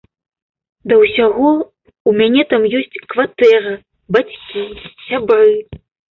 Да ўсяго, у мяне там ёсць кватэра, бацькі, сябры.